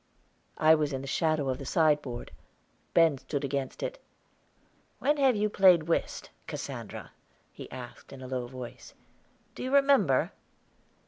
I was in the shadow of the sideboard; Ben stood against it. "When have you played whist, Cassandra?" he asked in a low voice. "Do you remember?"